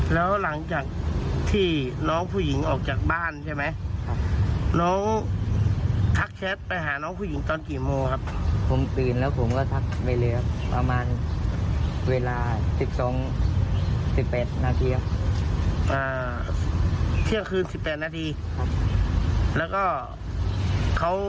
แล้วก็เขาไม่ตอบมาทั้งแต่ลั้นเลยใช่ไหมครับ